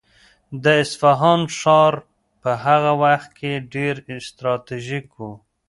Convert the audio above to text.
د اصفهان ښار په هغه وخت کې ډېر ستراتیژیک و.